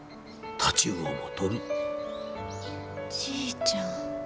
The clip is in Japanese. じいちゃん。